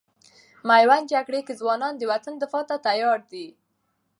میوند جګړې کې ځوانان د وطن دفاع ته تیار دي.